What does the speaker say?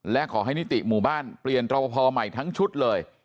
และขอให้นิติหมู่บ้านเปลี่ยนรอปภใหม่ทั้งชุดเลย